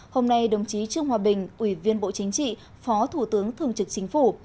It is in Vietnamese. hôm nay đồng chí trương hòa bình ủy viên bộ chính trị phó thủ tướng thường trực chính phủ